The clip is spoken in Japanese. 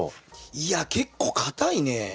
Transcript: いや結構かたいね。